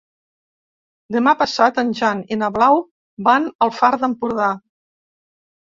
Demà passat en Jan i na Blau van al Far d'Empordà.